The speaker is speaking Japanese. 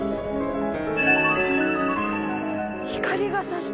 光がさした。